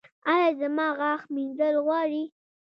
ایا زما غاښ مینځل غواړي؟